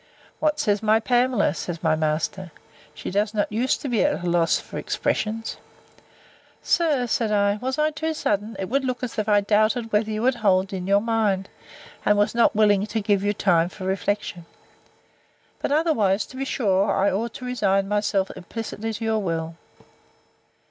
What says my Pamela? said my master: She does not use to be at a loss for expressions. Sir, said I, were I too sudden, it would look as if I doubted whether you would hold in your mind, and was not willing to give you time for reflection: but otherwise, to be sure I ought to resign myself implicitly to your will.